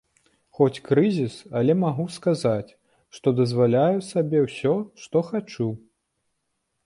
Хоць крызіс, але магу сказаць, што дазваляю сабе ўсё, што хачу.